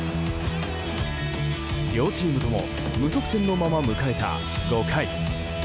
両チームとも無得点のまま迎えた５回。